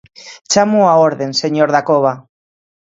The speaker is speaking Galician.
Chámoo á orde, señor Dacova.